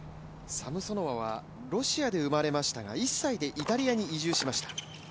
サムソノワはロシアで生まれましたが１歳でイタリアに移住しました。